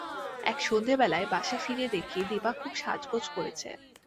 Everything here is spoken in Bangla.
এক সন্ধ্যাবেলায় বাসায় ফিরে দেখি-দিপা খুব সাজগোজ করেছে।